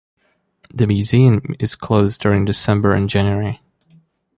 The museum is closed during December and January.